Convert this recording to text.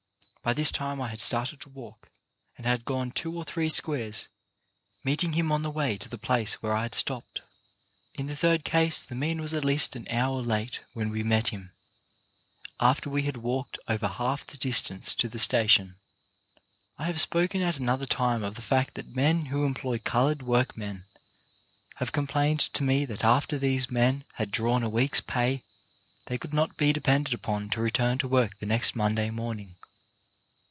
By that time I had started to walk, and had gone two or 133 i 3 4 CHARACTER BUILDING three squares, meeting him on the way to the place where I had stopped. In the third case the man was at least an hour late when we met him, after we had walked over half the distance to the station. I have spoken at another time of the fact that men who employ coloured workmen have com plained to me that after these men had drawn a week's pay, they could not be depended upon to return to work the next Monday morning.